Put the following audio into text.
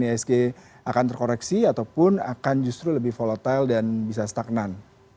ihsg akan terkoreksi ataupun akan justru lebih volatile dan bisa stagnan